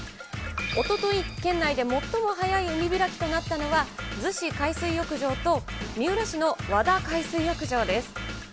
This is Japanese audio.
おととい、県内で最も早い海開きとなったのは、逗子海水浴場と、三浦市の和田海水浴場です。